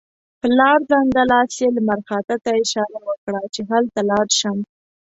په لړزانده لاس یې لمر خاته ته اشاره وکړه چې هلته لاړ شم.